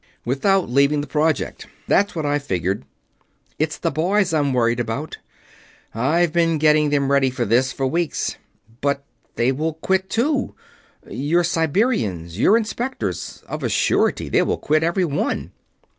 "Without leaving the Project. That's what I figured. It's the boys I'm worried about. I've been getting them ready for this for weeks." "But they will quit, too. Your Siberians your Inspectors of a surety they will quit, every one!"